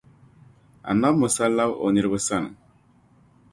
Annabi Musa labi o niriba sani